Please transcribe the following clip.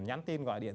nhắn tin gọi điện